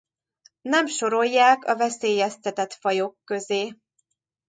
Nem sorolják a veszélyeztetett fajok közé.